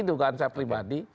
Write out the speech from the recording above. dugaan saya pribadi